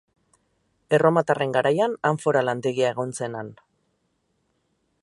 Erromatarren garaian anfora lantegia egon zen han.